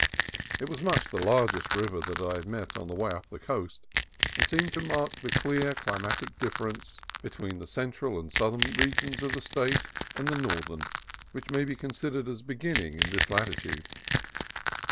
It was much the largest river that I had met on the way up the coast, and seemed to mark the clear climatic difference between the central and southern regions of the State, and the northern, which may be considered as beginning in this lati tude.